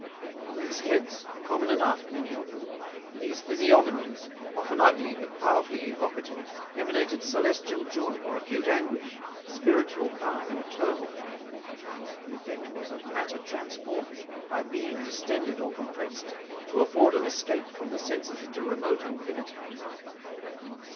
From these heads, common enough, many of them, and these physiognomies, often ugly but powerfully evocative, emanated celestial joy or acute anguish, spiritual calm or turmoil. The effect was of matter transformed, by being distended or compressed, to afford an escape from the senses into remote infinity.